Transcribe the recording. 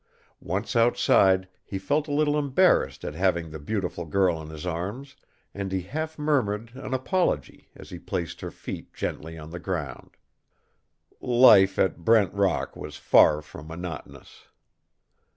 Once outside, he felt a little embarrassed at having the beautiful girl in his arms and he half murmured an apology as he placed her feet gently on the ground. Life at Brent Rock was far from monotonous.